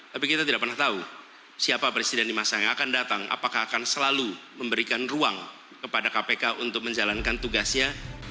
tapi kita tidak pernah tahu siapa presiden di masa yang akan datang apakah akan selalu memberikan ruang kepada kpk untuk menjalankan tugasnya